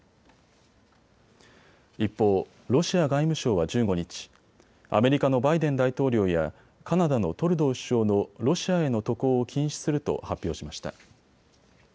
一方、ロシア外務省は１５日、アメリカのバイデン大統領やカナダのトルドー首相のロシアへの渡航を禁止すると発表しました。